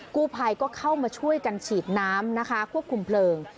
กู้ภัยก็เข้ามาช่วยกันฉีดน้ำนะคะควบคุมเพลิง